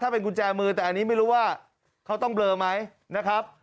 เป็นกุญแจมือแต่อันนี้ไม่รู้ว่าเขาต้องเบลอไหมนะครับ